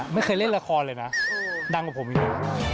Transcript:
ไม่เคยเล่นละครเลยนะดังกว่าผมอยู่แล้ว